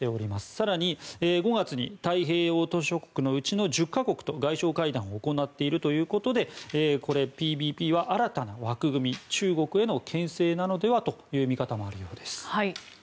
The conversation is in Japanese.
更に、５月に太平洋島しょ国のうちの１０か国と外相会談を行っているということでＰＢＰは新たな枠組み中国への牽制なのではという見方もあるようです。